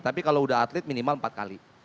tapi kalau udah atlet minimal empat kali